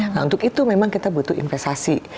nah untuk itu memang kita butuh investasi